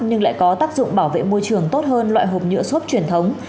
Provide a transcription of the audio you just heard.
nhưng lại có tác dụng bảo vệ môi trường tốt hơn loại hộp nhựa xốp truyền thống